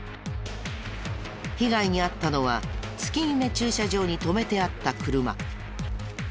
被害に遭ったのは月極駐車場に止めてあった車。